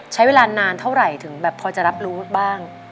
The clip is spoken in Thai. ใช้เวลานานเท่าไหร่ถึงแบบพอจะรับรู้บ้าง